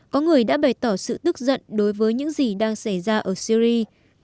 có người đã bày tỏ sự tức giận đối với những gì đang xảy ra ở syri